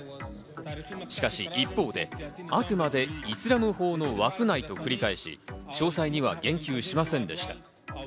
しかし一方で、あくまでイスラム法の枠内と繰り返し、詳細には言及しませんでした。